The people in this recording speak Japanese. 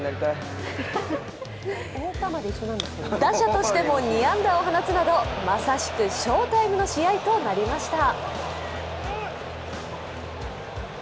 打者としても２安打を放つなどまさしく翔タイムの試合となりました。